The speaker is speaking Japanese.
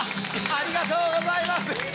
ありがとうございます！